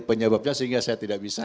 penyebabnya sehingga saya tidak bisa